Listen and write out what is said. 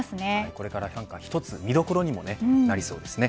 これから一つ、見どころにもなりそうですね。